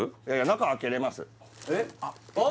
中開けれます？